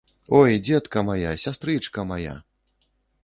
Ой, дзетка мая, сястрычка мая!